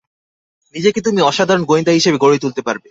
নিজেকে তুমি অসাধারণ গোয়েন্দা হিসেবে গড়ে তুলতে পারবে।